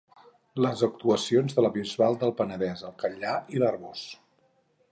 les actuacions de la Bisbal del Penedès, el Catllar i l'Arboç